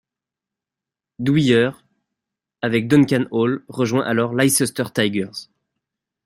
Dwyer, avec Duncan Hall, rejoint alors Leicester Tigers.